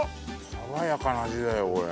爽やかな味だよこれ。